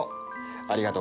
ありがとう。